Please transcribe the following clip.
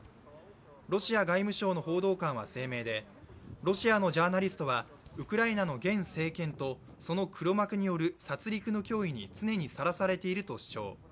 ロシア外務省の報道官は声明でロシアのジャーナリストはウクライナの現政権とその黒幕による殺りくの脅威に常にさらされていると主張。